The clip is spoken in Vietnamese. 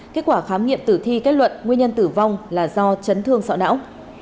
kết quả khám nghiệm tử thi kết luận nguyên nhân tử vong là do chấn thương sọ não